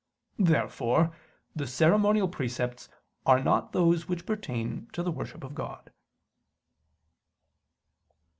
Therefore the ceremonial precepts are not those which pertain to the worship of God.